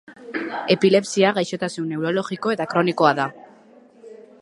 Epilepsia gaixotasun neurologiko eta kronikoa da.